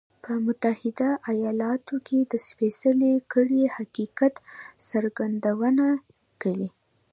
په متحده ایالتونو کې د سپېڅلې کړۍ حقیقت څرګندونه کوي.